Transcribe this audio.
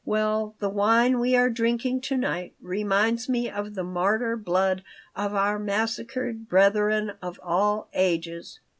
Well, the wine we are drinking to night reminds me of the martyr blood of our massacred brethren of all ages."